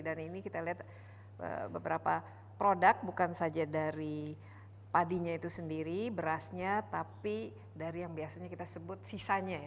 dan ini kita lihat beberapa produk bukan saja dari padinya itu sendiri berasnya tapi dari yang biasanya kita sebut sisanya